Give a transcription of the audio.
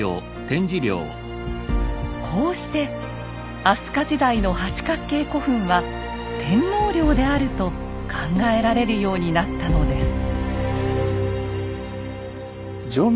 こうして飛鳥時代の八角形古墳は天皇陵であると考えられるようになったのです。